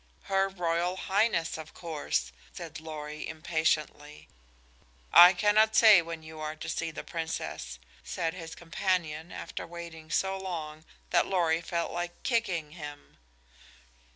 "Her Royal Highness, of course," said Lorry, impatiently. "I cannot say when you are to see the Princess," said his companion after waiting so long that Lorry felt like kicking him.